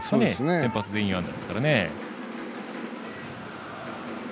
先発全員ですからね。